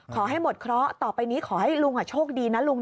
ขอให้หมดเคราะห์ต่อไปนี้ขอให้ลุงโชคดีนะลุง